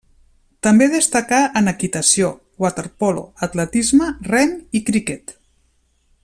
També destacà en equitació, waterpolo, atletisme, rem i criquet.